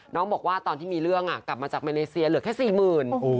น้องบอกว่าตอนที่มีเรื่องกลับมาจากมาเลเซียเหลือแค่๔๐๐๐บาท